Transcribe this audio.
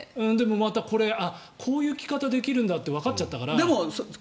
でもまたこれこういう着方ができるんだってわかっちゃったから。